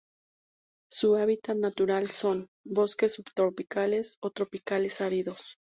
Su hábitat natural son: bosques subtropicales o tropicales áridos.